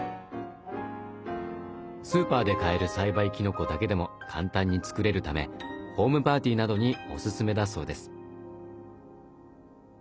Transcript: スーパーで買える栽培きのこだけでも簡単に作れるためホームパーティーなどにおすすめだそうです。